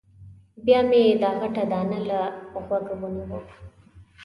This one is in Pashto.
بیا مې دا غټه دانه له غوږه ونیوه.